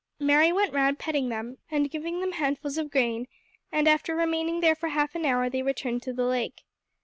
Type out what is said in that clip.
Mary went round petting them and giving them handfuls of grain, and after remaining there for half an hour they returned to the lake.